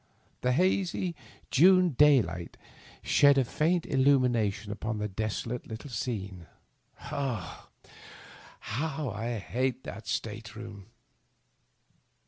The hazy Jnne daylight ahed a faint illnmination upon the desolate little scene. Ugh I how I hate that atate room.